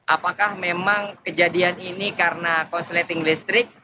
apakah memang kejadian ini karena korsleting listrik